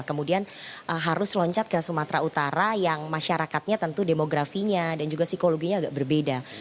kemudian harus loncat ke sumatera utara yang masyarakatnya tentu demografinya dan juga psikologinya agak berbeda